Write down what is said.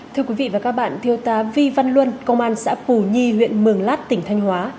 thưa quý vị và các bạn thiêu tá vi văn luân công an xã pù nhi huyện mường lát tỉnh thanh hóa